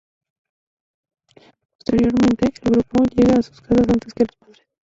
Posteriormente, el grupo llega a sus casas antes que los padres.